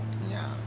いや。